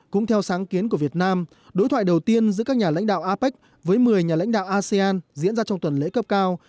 cũng theo sáng kiến của việt nam đối thoại đầu tiên giữa các nhà lãnh đạo apec với một mươi nhà lãnh đạo asean diễn ra trong tuần lễ cấp cao